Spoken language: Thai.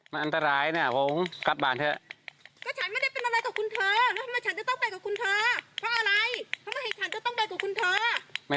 แล้วฉันอยู่ข้างใน